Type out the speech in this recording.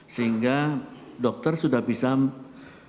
sehingga dokter sudah bisa melihat informasi medisnya itu apa saja